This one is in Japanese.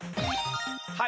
はい